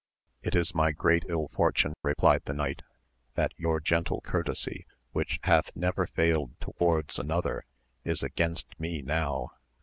It is my great ill fortune, replied the knight, that your gentle courtesy, which hath never failed towards another is against me now!